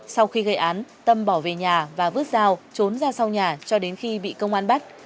sau khi gây án tâm bỏ về nhà và vứt dao trốn ra sau nhà cho đến khi bị công an bắt